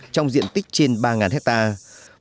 trong diện tích trên ba hectare